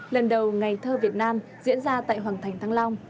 lần đầu ngày thơ việt nam diễn ra tại hoàng thành thăng long